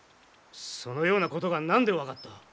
そのようなことが何で分かった？